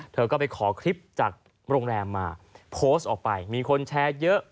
เธอก็ไปขอคลิปจากโรงแรมมาโพสต์ออกไปมีคนแชร์เยอะ